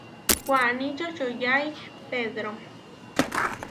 Waní čočoyái Pedró.